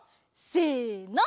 せの。